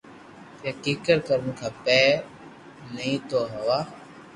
ڪي ڪيڪر ڪروُ کپر”ي ني تو ھيوا